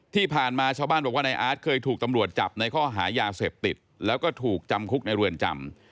ที่ผ่านมาชาวบ้านบอกว่านายอาร์ตเคยถูกตำรวจจับในข้อหายาเสพติดแล้วก็ถูกจำคุกในเรือนจำ